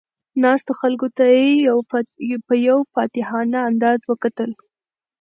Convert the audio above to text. ناستو خلکو ته یې په یو فاتحانه انداز وکتل.